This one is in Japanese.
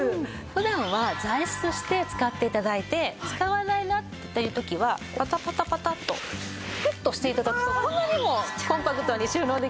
普段は座椅子として使って頂いて使わないなっていう時はパタパタパタパタとグッと押して頂くとこんなにもコンパクトに収納できるんですね。